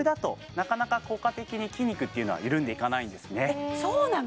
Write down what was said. なかなか効果的に筋肉っていうのは緩んでいかないんですねえっそうなの？